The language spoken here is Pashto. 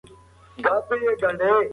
لوستل ورته د بد خوب بڼه لرله.